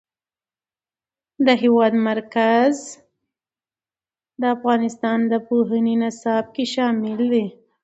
د هېواد مرکز د افغانستان د پوهنې نصاب کې شامل دي.